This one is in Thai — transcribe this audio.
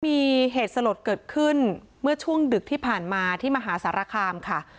มีเหตุสลดเกิดขึ้นเมื่อช่วงดึกที่ผ่านมาที่มหาสารคามค่ะ